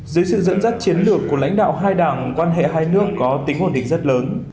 dưới sự dẫn dắt chiến lược của lãnh đạo hai đảng quan hệ hai nước có tính ổn định rất lớn